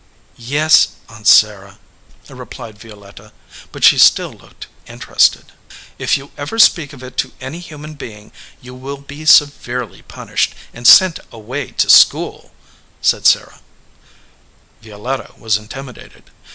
"Yes, Aunt Sarah," replied Violetta, but she still looked interested. "If you ever speak of it to any human being you will be severely punished and sent away to school," said Sarah. Violetta was intimidated.